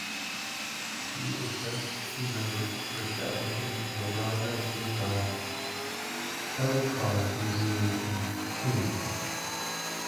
He is best remembered for establishing the Raja Dinkar Kelkar Museum in Pune.